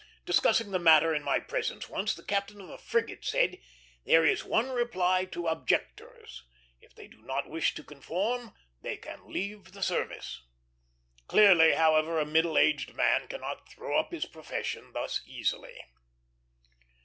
Discussing the matter in my presence once, the captain of a frigate said, "There is one reply to objectors; if they do not wish to conform, they can leave the service." Clearly, however, a middle aged man cannot throw up his profession thus easily.